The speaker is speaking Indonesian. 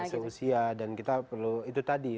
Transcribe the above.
seusia dan kita perlu itu tadi